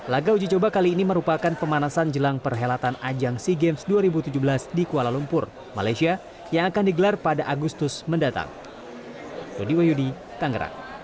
laga uji coba kali ini merupakan pemanasan jelang perhelatan ajang sea games dua ribu tujuh belas di kuala lumpur malaysia yang akan digelar pada agustus mendatang